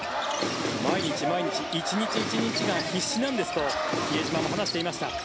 毎日毎日１日１日が必死なんですと比江島も話していました。